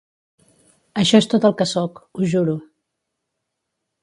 Això és tot el que sóc, ho juro.